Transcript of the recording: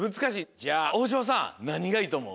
じゃあ大島さんなにがいいとおもう？